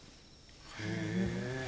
へえ。